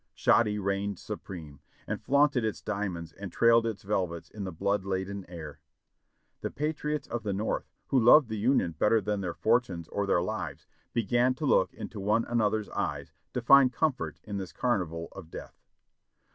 Shoddy reigned supreme, and flaunted its diamonds and trailed its velvets in the blood laden air. The patriots of the North, who loved the Union better than their for tunes or their lives, began to look into one another's eyes to find comfort in this carnival of death.